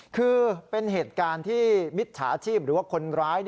คือเป็นเหตุการณ์ที่มิจฉาชีพหรือว่าคนร้าย